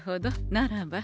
ならば。